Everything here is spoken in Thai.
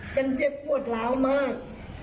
จังเจ็บโกรธร้าวมาก